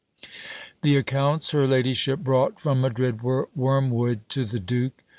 The accounts her ladyship brought from Madrid were wormwood to the duke.